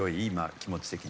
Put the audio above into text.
気持ち的に。